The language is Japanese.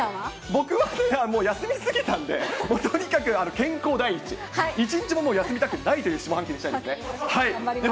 僕は休み過ぎたんで、とにかく健康第一、１日も休みたくないという下半期にしたいですね。